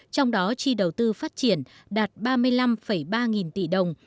trong đó chi đầu tư phát triển đạt ba mươi năm ba nghìn tỷ đồng